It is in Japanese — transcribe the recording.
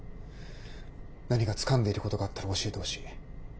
何かつかんでいることがあったら教えてほしい。